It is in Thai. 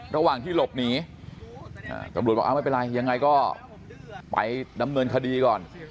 ระหว่างที่หลบหนีตำรวจบอกไม่เป็นไรยังไงก็ไปดำเนินคดีก่อน